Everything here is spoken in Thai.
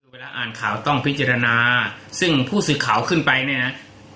เวลาอ่านข่าวต้องพิจารณาซึ่งผู้สื่อข่าวขึ้นไปเนี่ยนะ